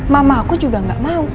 mama aku juga gak mau